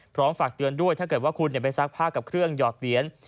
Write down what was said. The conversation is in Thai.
ฝากเตือนด้วยถ้าเกิดว่าคุณไปซักผ้ากับเครื่องหยอดเหรียญ